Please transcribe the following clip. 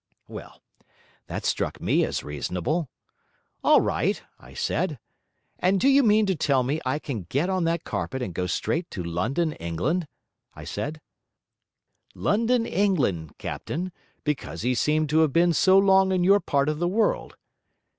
Well, that struck me as reasonable. "All right," I said; "and do you mean to tell me I can get on that carpet and go straight to London, England?" I said, "London, England," captain, because he seemed to have been so long in your part of the world.